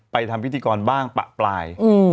ทำพิธีกรบ้างปะปลาย